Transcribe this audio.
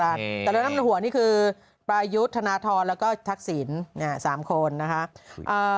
แต่เรื่องน้ำหัวนี่คือปรายุทธนาธรแล้วก็ทักษิณ๓คนนะคะ